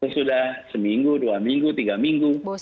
sudah seminggu dua minggu tiga minggu